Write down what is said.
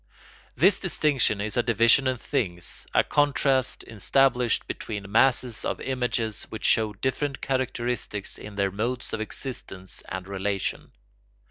This distinction is a division in things, a contrast established between masses of images which show different characteristics in their modes of existence and relation.